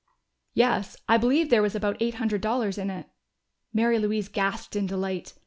"Yes. I believe there was about eight hundred dollars in it." Mary Louise gasped in delight.